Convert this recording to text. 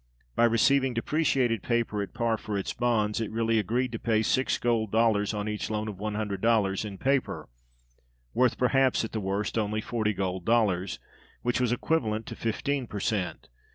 By receiving depreciated paper at par for its bonds it really agreed to pay six gold dollars on each loan of one hundred dollars in paper (worth, perhaps, at the worst only forty gold dollars), which was equivalent to fifteen per cent.